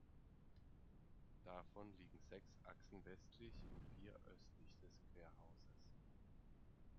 Davon liegen sechs Achsen westlich und vier östlich des Querhauses.